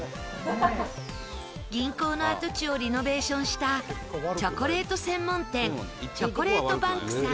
銀行の跡地をリノベーションしたチョコレート専門店チョコレートバンクさん。